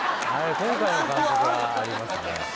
今回の監督はありますね。